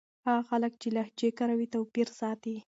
هغه خلک چې لهجې کاروي توپير ساتي.